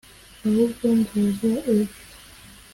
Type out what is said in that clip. Ahubwo nzaza ejo.